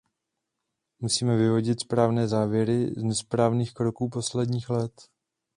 Musíme vyvodit správné závěry z nesprávných kroků posledních let.